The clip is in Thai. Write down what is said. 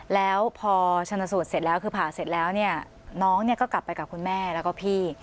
แล้วพอชนสูตรเสร็จแล้วคือผ่าเสร็จแล้วเนี่ยน้องก็กลับไปกับคุณแม่แล้วก็พี่